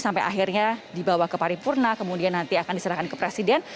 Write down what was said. sampai akhirnya dibawa ke paripurna kemudian nanti akan diserahkan ke presiden